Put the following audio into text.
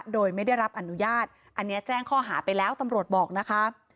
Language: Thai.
โดยไม่ได้รับอนุญาตอันนี้แจ้งข้อหาไปแล้วตำรวจบอกนะคะ